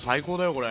これ。